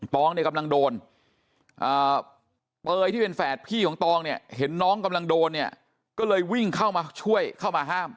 ตองกำลังโดนเปรย์ที่เป็นแฝดพี่ของตองเห็นน้องกำลังโดนก็เลยวิ่งเข้ามาช่วยเข้ามาห้าม